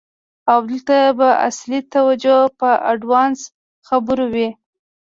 او دلته به اصلی توجه په آډوانس خبرو وی.